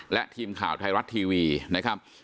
และทีมข่าวไทยรัฐทีวีนะครับ